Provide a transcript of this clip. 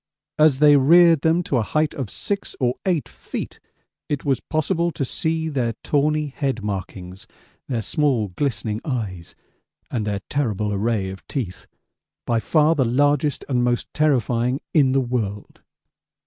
As they reared them to a height of 6 or 8 feet it was possible to see their tawny head markings, their small glistening eyes, and their terrible array of teeth by far the largest and most terrifying in the world.